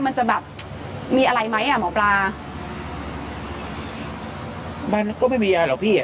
มันจะแบบมีอะไรไหมอ่ะหมอปลามันก็ไม่มีอะไรหรอกพี่อ่ะ